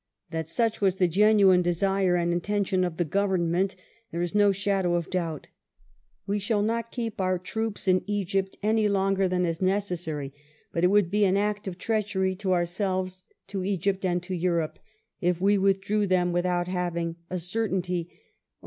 That such was the genuine desire and intention of the Government, there is not a shadow of doubt. " We shall not keep our troops in Egypt any longer than is necessary ; but it would be an act of treachery to ourselves, to Egypt, and to Europe if we withdrew them without having a cer tainty— or